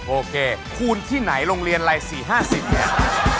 โอเคคูณที่ไหนโรงเรียนอะไร๔๕๐เนี่ย